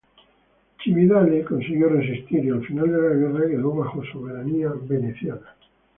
Cividale consiguió resistir y al final de la guerra quedó bajo soberanía veneciana.